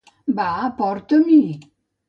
Va, porta-m'hi!...